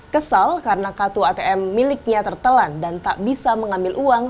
kesal karena kartu atm miliknya tertelan dan tak bisa mengambil uang